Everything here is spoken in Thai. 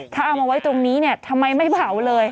ถ้าเอามาไว้ตรงนี้เนี่ยทำไมไม่เผาเลย